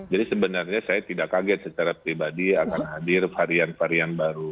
jadi sebenarnya saya tidak kaget secara pribadi akan hadir varian varian baru